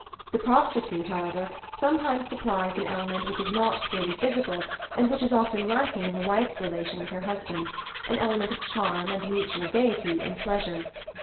The prostitute, however, sometimes supplies an ^®4 Married Love element which is not purely physical, and which is often lacking in the wife's relation with her husband, an clcmcut of charm and mutual gaiety in pleasure.